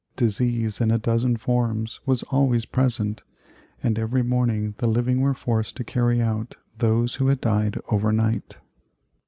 Disease in a dozen forms was always present, and every morning the living were forced to carry out those who had died over night.